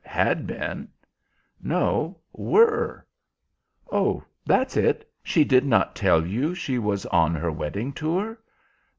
"Had been." "No, were." "Oh, that's it. She did not tell you she was on her wedding tour?"